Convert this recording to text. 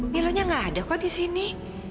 milonya gak ada kok disini